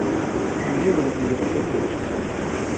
Lliɣ leddyeɣ tawwurt.